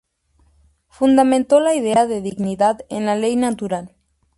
Fundamentó la idea de dignidad en la ley natural.